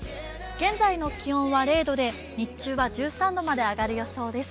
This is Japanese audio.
現在の気温は０度で日中は１３度まで上がる予想です。